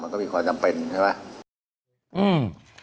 ก็มีความจำเป็นใช่ไหม